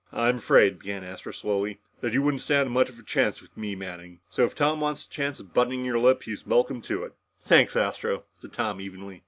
"I'm afraid," began Astro slowly, "that you wouldn't stand much of a chance with me, Manning. So if Tom wants the chore of buttoning your lip, he's welcome to it." "Thanks, Astro," said Tom evenly.